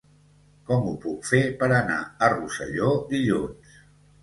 Com ho puc fer per anar a Rosselló dilluns?